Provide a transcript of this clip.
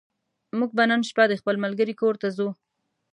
موږ به نن شپه د خپل ملګرې کور ته ځو